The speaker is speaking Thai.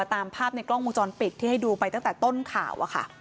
ตามภาพในกล้องวงจรปิดที่ให้ดูไปตั้งแต่ต้นข่าว